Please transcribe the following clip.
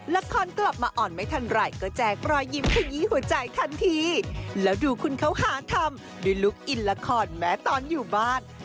ละครกลับมาอ่อนไม่ทันไรก็แจกรอยยิ้มขยี้หัวใจทันทีแล้วดูคุณเขาหาทำด้วยลุคอินละครแม้ตอนอยู่บ้าน